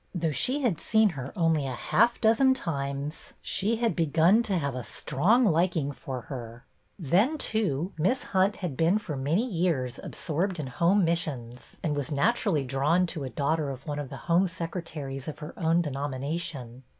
Though she had seen her only a half dozen times, she had begun to have a strong liking for her. Then, too. Miss Hunt had been for many years absorbed in Home Missions, and was naturally drawn to a daughter of one of the home secretaries of her own de nomination.